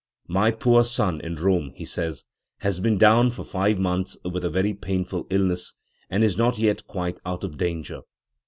"My poor son in Rome", he says, "has been down for five months with a very painful illness, and is not yet quite out of danger.